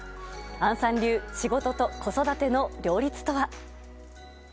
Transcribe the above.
杏さん流仕事と子育ての両立とは？